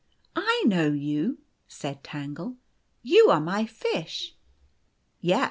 "I know you," said Tangle. " You are my fish." " Yes.